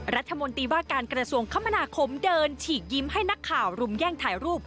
รัฐมนตรีว่าการกระทรวงคมนาคมเดินฉีกยิ้มให้นักข่าวรุมแย่งถ่ายรูป